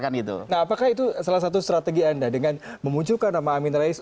nah apakah itu salah satu strategi anda dengan memunculkan nama amin rais